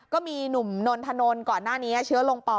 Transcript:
ก็มีหนุ่มนนทนนท์ก่อนหน้านี้เชื้อลงป่อ